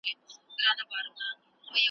فوټبال مشهور سپورټ دی.